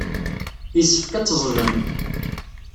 Yessefk ad teẓẓlem.